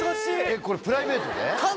これプライベートで？